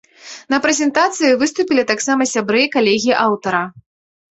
На прэзентацыі выступілі таксама сябры і калегі аўтара.